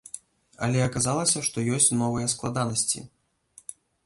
Але аказалася, што ёсць новыя складанасці.